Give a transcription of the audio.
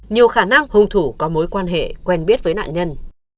nhiều khả năng hung thủ có mối quan hệ quen biết với nạn nhân